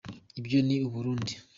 Ibyo ni u Burundi